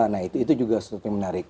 nah itu juga sesuatu yang menarik